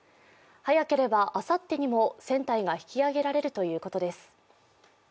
早ければあさってにも船体が引き揚げられるということです。